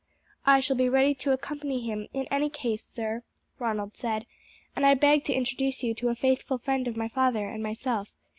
"I shall be ready to accompany him in any case, sir," Ronald said, "and I beg to introduce to you a faithful friend of my father and myself.